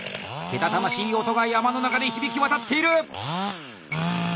けたたましい音が山の中で響きわたっている！